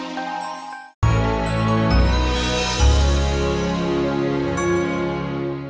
saya berpengen tidak perlahankan